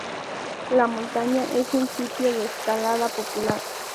La montaña es un sitio de escalada popular.